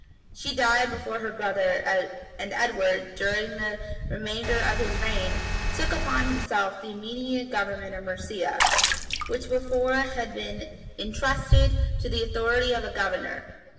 [] She died before her brother; and Edward, during the remainder of his reign, took upon himself the immediate government of Mercia, which before had been intrusted to the authority of a governor.